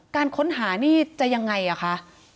การค้นหานี่จะยังไงอ่ะคะ